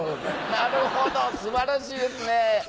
なるほど素晴らしいですね。